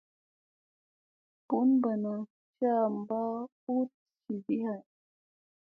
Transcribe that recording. Bunbana caamba huɗ jivi hay.